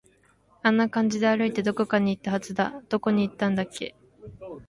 あんな感じで歩いて、どこかに行ったはずだ。どこに行ったんだっけ